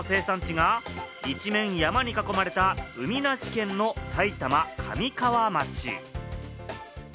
そのサバの生産地が一面、山に囲まれた、海なし県の埼玉・神川町。